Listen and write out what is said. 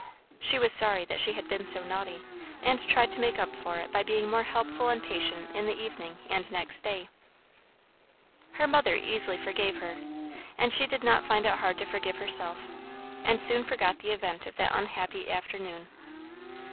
She was sorry that she had been so naughty, and tried to make up for it by being more helpful and patient in the evening and next day. Her mother easily forgave her, and she did not find it hard to forgive herself, and soon forgot the event of that unhappy afternoon. Mr.